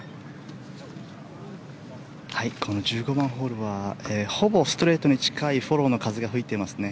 この１５番ホールはほぼストレートに近いフォローの風が吹いていますね。